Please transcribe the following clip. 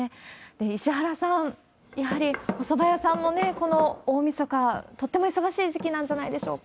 石原さん、やはりおそば屋さんもね、この大みそか、とても忙しい時期なんじゃないでしょうか。